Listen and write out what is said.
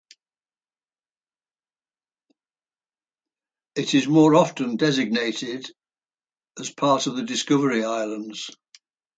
It is more often designated as part of the Discovery Islands.